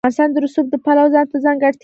افغانستان د رسوب د پلوه ځانته ځانګړتیا لري.